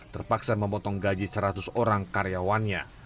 terpaksa memotong gaji seratus orang karyawannya